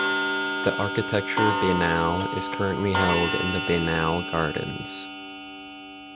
The Architecture Biennale is currently held in the Biennale Gardens.